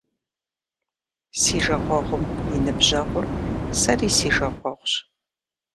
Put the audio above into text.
Си жагъуэгъум и ныбжьэгъур сэри си жагъуэгъущ.